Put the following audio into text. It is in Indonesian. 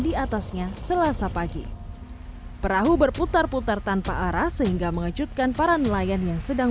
diatasnya selasa pagi perahu berputar putar tanpa arah sehingga mengejutkan para nelayan yang sedang